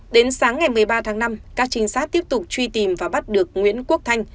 đến sáng ngày một mươi ba tháng năm các trinh sát tiếp tục truy tìm và bắt được nguyễn quốc thanh